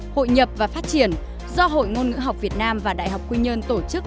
hội nhập và phát triển do hội ngôn ngữ học việt nam và đại học quy nhơn tổ chức